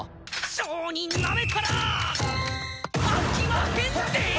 商人なめたらあきまへんでー！